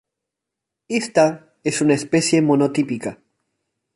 Esta es una especie monotípica.